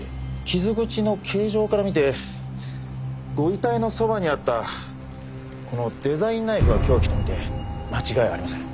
傷口の形状から見てご遺体のそばにあったこのデザインナイフが凶器と見て間違いありません。